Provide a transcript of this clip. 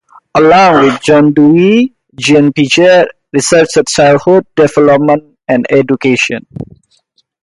Along with John Dewey, Jean Piaget researched childhood development and education.